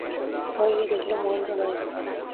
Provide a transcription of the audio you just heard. ঘরে গিয়া দেখিল, মহেন্দ্র নাই।